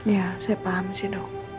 ya saya paham sih dok